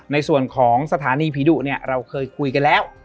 ในส่วนของสถานีผีดุเนี่ยเราเคยคุยกันแล้ว